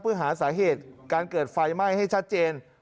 เพื่อหาสาเหตุการเกิดไฟไหม้ให้ชัดเจน